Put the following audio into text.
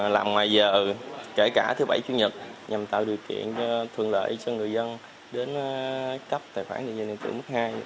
làm ngoài giờ kể cả thứ bảy chủ nhật nhằm tạo điều kiện thuận lợi cho người dân đến cấp tài khoản định danh điện tử mức hai